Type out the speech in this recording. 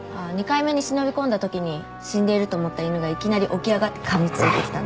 ２回目に忍び込んだときに死んでいると思った犬がいきなり起き上がってかみついてきたんだって。